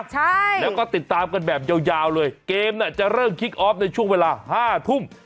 ใช่แล้วก็ติดตามกันแบบยาวยาวเลยเกมน่ะจะเริ่มคิกออฟในช่วงเวลาห้าทุ่ม